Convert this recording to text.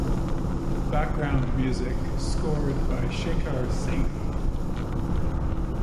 Background music scored by Shekhar Singh.